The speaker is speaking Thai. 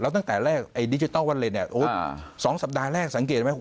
ตั้งแต่แรกไอ้ดิจิทัลวัลเลนเนี่ย๒สัปดาห์แรกสังเกตไหม